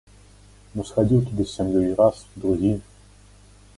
Ну, схадзіў туды з сям'ёй, раз, другі.